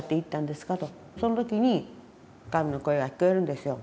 その時に神の声が聞こえるんですよ。